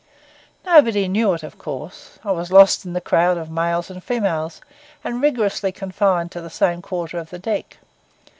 Nobody knew it, of course. I was lost in the crowd of males and females, and rigorously confined to the same quarter of the deck.